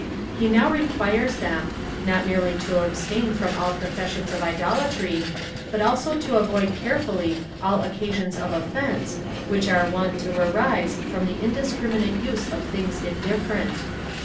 He now requires them, not merely to abstain from all professions of idolatry, but also to avoid carefully all occasions of offence, which are wont to arise from the indiscriminate use of things indifferent.